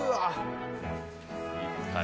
いったよ